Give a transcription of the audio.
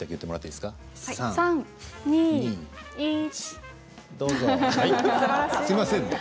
すみませんね